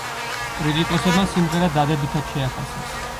კრიტიკოსებმა სიმღერა დადებითად შეაფასეს.